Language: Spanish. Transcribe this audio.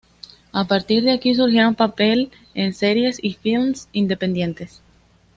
A partir de aquí surgieron papel en series y filmes independientes.